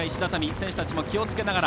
選手たちも、気をつけながら。